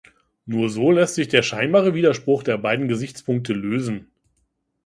Nur so lässt sich der scheinbare Widerspruch der beiden Gesichtspunkte lösen.